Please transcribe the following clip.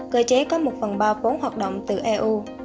cơ chế có một phần ba vốn hoạt động từ eu